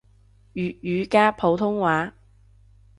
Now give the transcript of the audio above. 粵語加普通話